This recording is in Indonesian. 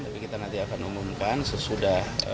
tapi kita nanti akan umumkan sesudah